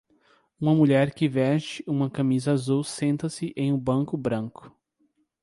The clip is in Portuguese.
Uma mulher que veste uma camisa azul senta-se em um banco branco.